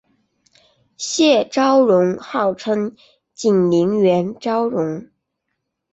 谢昭容号称景宁园昭容。